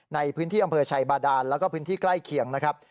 ในพื้นที่อำเภอชัยบาดานแล้วก็พื้นที่ใกล้เคียงนะครับ